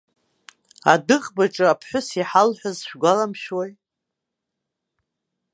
Адәыӷбаҿы аԥҳәыс иҳалҳәаз шәгәаламшәои?!